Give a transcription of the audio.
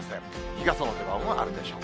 日傘の出番はあるでしょう。